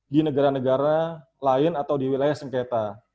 di negara negara lain atau di wilayah sengketa